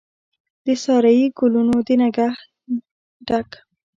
د سارایي ګلونو د نګهت ډک،